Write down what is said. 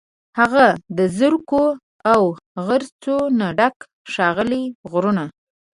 هغه د زرکو، او غرڅو، نه ډک، ښاغلي غرونه